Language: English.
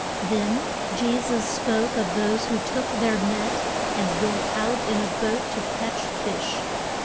] Then Je sus spoke of those who took their net, and went out in a boat to catch fish.